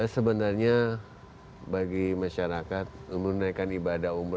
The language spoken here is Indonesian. sebenarnya bagi masyarakat menunaikan ibadah umur itu kan bukan dalam waktu dekat